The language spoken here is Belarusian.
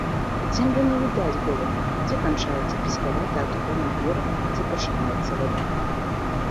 У цемры не відаць было, дзе канчаецца пескаваты адхонны бераг, а дзе пачынаецца вада.